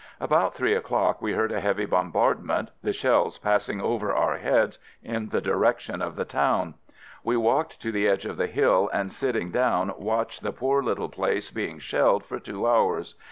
About three o'clock, we heard a heavy bombardment, the shells passing over our heads in the direction of the town. We walked to the edge of the hill and sitting FIELD SERVICE 147 down watched the poor little place being shelled for two hours.